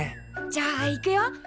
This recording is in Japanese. じゃあいくよ。